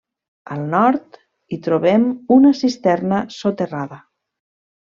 Al nord, hi trobem una cisterna soterrada.